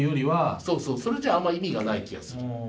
そうそうそれじゃあんま意味がない気がする。